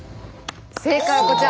正解はこちら。